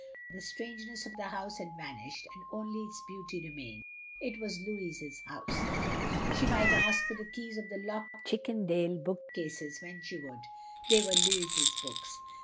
The strangeness of the house had vanished, and only its beauty remained. It was Louis's house. She might ask for the keys of the locked Chip pendale book cases when she would. They were Louis's books.